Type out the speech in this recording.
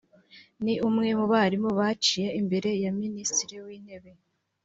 ni umwe mu barimu baciye imbere ya Minisitiri w’Intebe